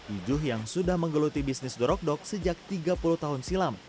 iju yang sudah menggeluti bisnis dorok dok sejak tiga puluh tahun silam